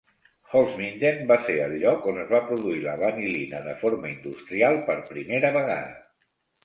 Holzminden va ser el lloc on es va produir la vanil·lina de forma industrial per primera vegada.